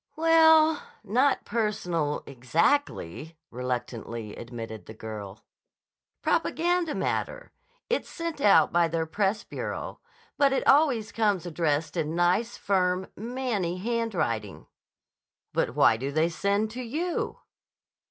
"Well, not personal, exactly," reluctantly admitted the girl. "Propaganda matter. It's sent out by their press bureau. But it always comes addressed in nice, firm, man ny handwriting." "But why do they send to you?"